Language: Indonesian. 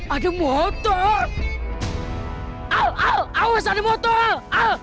ada motor awas ada motor